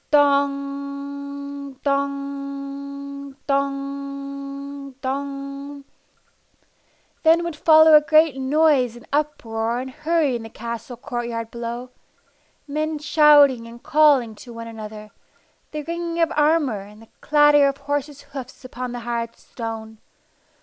Dong! Dong! Dong! Dong! Then would follow a great noise and uproar and hurry in the castle court yard below; men shouting and calling to one another, the ringing of armor, and the clatter of horses' hoofs upon the hard stone.